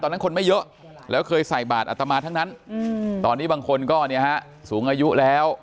ตอนนั้นคนไม่เยอะแล้วเคยใส่บาทอัตมาททั้งนั้นตอนนี้บางคนก็สูงอายุแล้ว